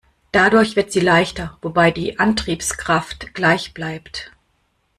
Dadurch wird sie leichter, wobei die Antriebskraft gleich bleibt.